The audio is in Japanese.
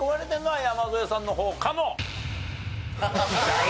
山添さんの方かも。